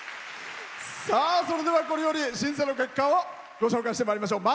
それでは、これより審査の結果をご紹介してまいりましょう。